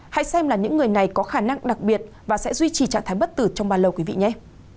hãy xem là những người này có khả năng đặc biệt và sẽ duy trì trạng thái bất tử trong bao lâu quý vị nhé